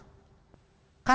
kan partai koalisi keumatan